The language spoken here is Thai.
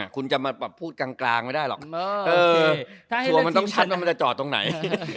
คุณจะมาพูดกลางไม่ได้หรอกทัวร์มันต้องชัดว่ามันจะจอดตรงไหน